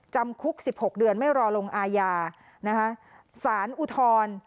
จำคุก๑๖เดือนไม่รอลงอาญานะคะสารอุทธรณ์